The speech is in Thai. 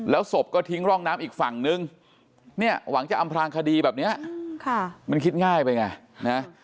ศพก็ทิ้งร่องน้ำอีกฝั่งนึงเนี่ยหวังจะอำพลางคดีแบบนี้มันคิดง่ายไปไงนะ